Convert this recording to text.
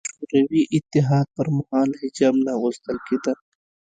د شوروي اتحاد پر مهال حجاب نه اغوستل کېده